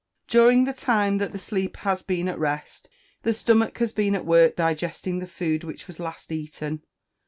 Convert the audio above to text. During the time that the sleeper has been at rest, the stomach has been at work digesting the food which was last eaten.